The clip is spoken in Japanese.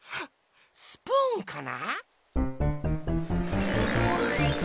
スプーンかな？